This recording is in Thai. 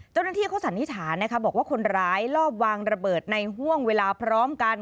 เจ้าหน้าที่เขาสันนิษฐานนะคะบอกว่าคนร้ายลอบวางระเบิดในห่วงเวลาพร้อมกัน